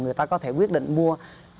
người ta có thể quyết định mua